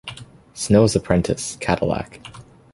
Snow's apprentice, Cadillac.